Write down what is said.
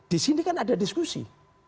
disini kan ada diskusi